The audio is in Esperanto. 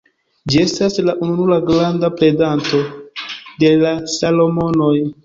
Ĝi estas la ununura granda predanto de la Salomonoj.